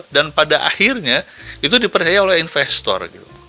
dan pada akhirnya itu dipercaya oleh investor